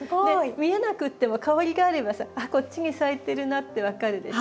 見えなくっても香りがあればさ「あっこっちに咲いてるな」って分かるでしょ？